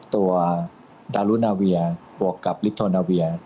ดารุนาเวียบวกกับลิโทนาเวีย